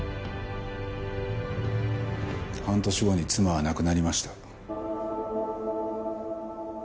半年後に妻は亡くなりました。